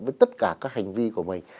với tất cả các hành vi của mình